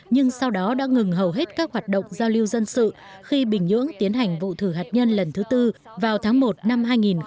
nhưng sau đó đã ngừng hầu hết các hoạt động giao lưu dân sự khi bình nhưỡng tiến hành vụ thử hạt nhân lần thứ tư vào tháng một năm hai nghìn một mươi chín